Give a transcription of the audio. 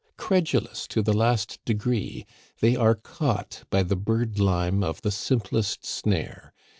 Credulous to the last degree, they are caught by the bird lime of the simplest snare.